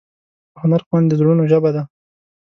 د هنر خوند د زړونو ژبه ده.